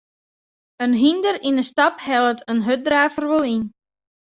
In hynder yn 'e stap hellet in hurddraver wol yn.